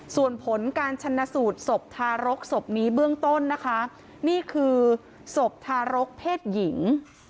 ส่วนผลการชนะสูตรศพทารกศพนี้เบื้องต้นนะคะนี่คือศพทารกเพศหญิง